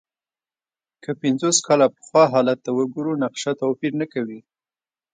که پنځوس کاله پخوا حالت ته وګورو، نقشه توپیر نه کوي.